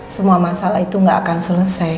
semua masalah itu nggak akan selesai